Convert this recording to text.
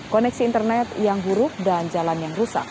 koneksi internet yang buruk dan jalan yang rusak